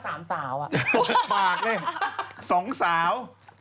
บ้าคช่ำสองสาว